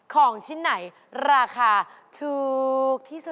ของชิ้นไหนราคาถูกมาก